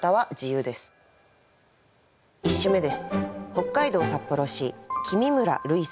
１首目です。